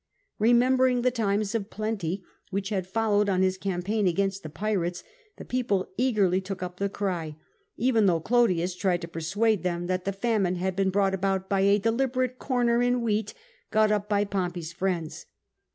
Eemembering the times of plenty which had fol lowed on his campaign against the pirates, the people eagerly took up the cry, even though Clodius tried to persuade them that the famine had been brought about by a deliberate '^corner in wheat" got up by Pompey friends.